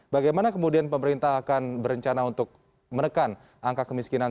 bagaimana kemudian pemerintah akan berencana untuk menekan angka kemiskinan